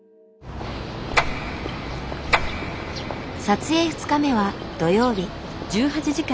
撮影２日目は土曜日。